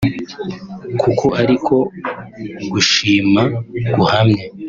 kuko ariko gushima guhamye